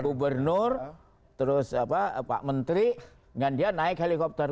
gubernur terus pak menteri dan dia naik helikopter